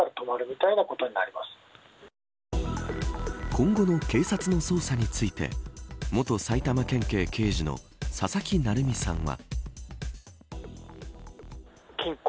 今後の警察の捜査について元埼玉県警刑事の佐々木成三さんは。